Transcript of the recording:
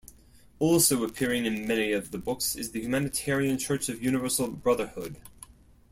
Also appearing in many of the books is the humanitarian Church of Universal Brotherhood.